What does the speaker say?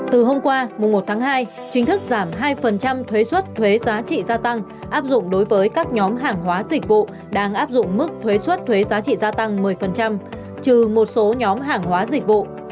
từ hôm qua mùa một tháng hai chính thức giảm hai thuế xuất thuế giá trị gia tăng áp dụng đối với các nhóm hàng hóa dịch vụ đang áp dụng mức thuế xuất thuế giá trị gia tăng một mươi trừ một số nhóm hàng hóa dịch vụ